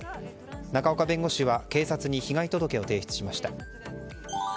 仲岡弁護士は警察に被害届を提出しました。